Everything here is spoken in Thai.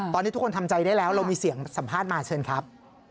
ตอนนี้ทุกคนทำใจได้แล้วเรามีเสียงสัมภาษณ์มาเชิญครับ